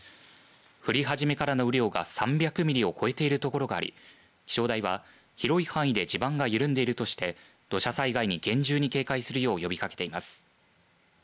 降り始めからの雨量が３００ミリを超えているところがあり気象台は、広い範囲で地盤が緩んでいるとして土砂災害に厳重に警戒するように呼びかけています。